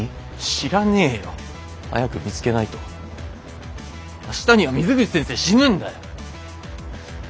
知らねえよ！早く見つけないと明日には水口先生死ぬんだよ！